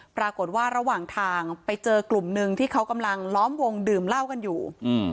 ปรากฏว่าระหว่างทางไปเจอกลุ่มหนึ่งที่เขากำลังล้อมวงดื่มเหล้ากันอยู่อืม